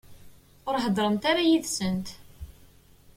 Ur heddṛemt ara yid-sent.